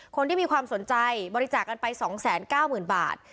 คนที่มีความสนใจบริจาคกันไป๒๙๐๐๐บาท